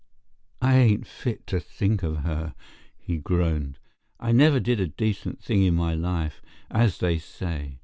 "I ain't fit to think of her," he groaned. "I never did a decent thing in my life, as they say.